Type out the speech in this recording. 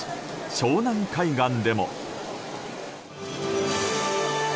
湘南海岸でも。